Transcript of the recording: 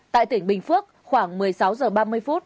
tại tỉnh bình phước khoảng một mươi sáu h ba mươi phút